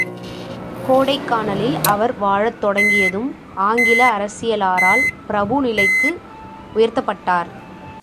கோடைக்கானலில் அவர் வாழத் தொடங்கியதும், ஆங்கில அரசியலாரால் பிரபு நிலை க்கு உயர்த்தப்பட்டார்.